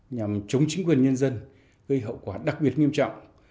nhằm chống chính quyền nhân dân gây hậu quả đặc biệt nghiêm trọng